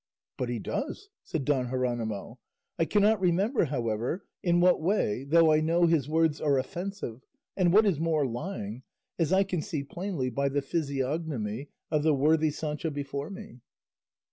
"But he does," said Don Jeronimo; "I cannot remember, however, in what way, though I know his words are offensive, and what is more, lying, as I can see plainly by the physiognomy of the worthy Sancho before me."